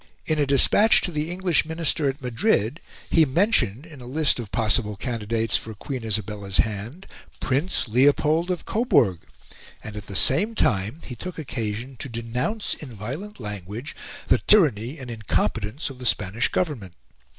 In a despatch to the English Minister at Madrid, he mentioned, in a list of possible candidates for Queen Isabella's hand, Prince Leopold of Coburg; and at the same time he took occasion to denounce in violent language the tyranny and incompetence of the Spanish Government.